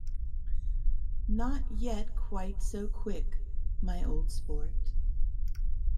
Not yet quite so quick, my old sport.